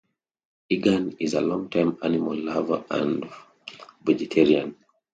Egan is a longtime animal lover and vegetarian.